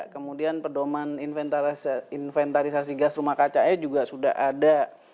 kemudian pedoman inventarisasi gas rumah kacanya juga sudah ada